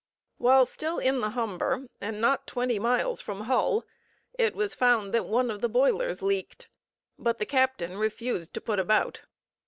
While still in the Humber, and not twenty miles from Hull, it was found that one of the boilers leaked, but the captain refused to put about.